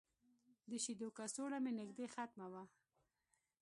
د شیدو کڅوړه مې نږدې ختمه وه.